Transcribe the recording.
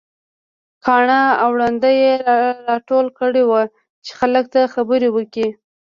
کاڼه او ړانده يې راټول کړي وو چې خلک ته خبرې وکړي.